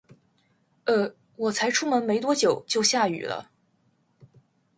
呃，我才出门没多久，就下雨了